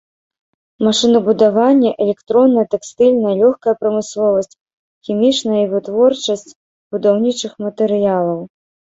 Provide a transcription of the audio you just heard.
Машынабудаванне, электронная, тэкстыльная, лёгкая прамысловасць, хімічная і вытворчасць будаўнічых матэрыялаў.